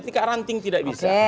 tingkat ranting tidak bisa